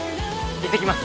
行ってきます。